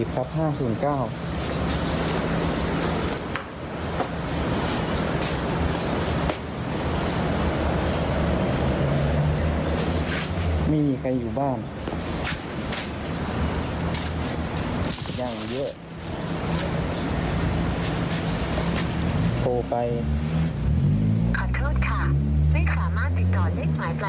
ขอโทษค่ะไม่ขอมาติดต่อเล็กหลายไฟทางได้